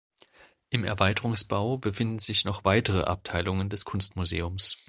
Im Erweiterungsbau befinden sich noch weitere Abteilungen des Kunstmuseums.